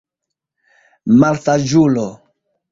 Malsaĝulo!